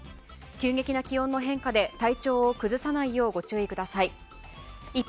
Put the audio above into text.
急激な気温の変化で体調を崩さないようご注意ください。